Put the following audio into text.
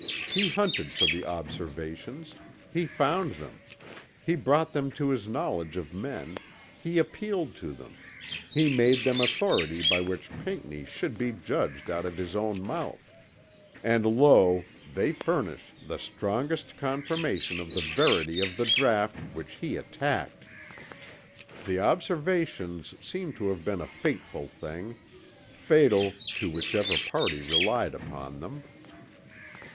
He hunted for the Observations; he found them; he brought them to the knowledge of men, he appealed to them, he made them an authority by which Pinckney should be judged out of his own mouth; and lo! they furnish the strongest confirmation of the verity of the draught which he attacked. The Observations seem to have been a fateful thing, fatal to whichever party relied upon them.